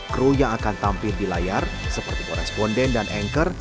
kru yang akan tampil di layar seperti boresponden dan anchor